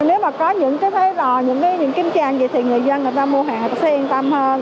nếu mà có những cái thế rồi những cái kiểm tra gì thì người dân người ta mua hàng sẽ yên tâm hơn